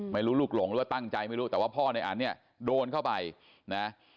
ลูกหลงหรือว่าตั้งใจไม่รู้แต่ว่าพ่อในอันเนี่ยโดนเข้าไปนะ